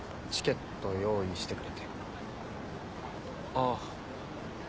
ああ。